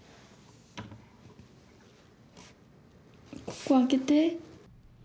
ここ開けて。